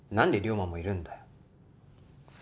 んで龍馬もいるんだよ？